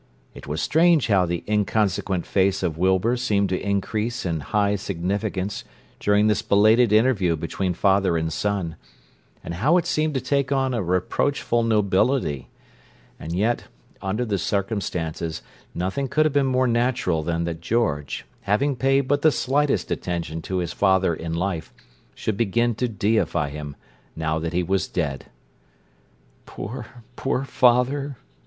It was strange how the inconsequent face of Wilbur seemed to increase in high significance during this belated interview between father and son; and how it seemed to take on a reproachful nobility—and yet, under the circumstances, nothing could have been more natural than that George, having paid but the slightest attention to his father in life, should begin to deify him, now that he was dead. "Poor, poor father!"